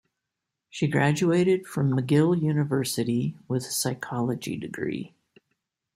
She graduated from McGill University with a Psychology degree.